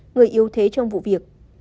người yếu thế trong vụ việc